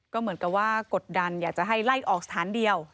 ก็เหมือนกับว่ากดดันอยากจะให้ไล่ออกสถานเดียว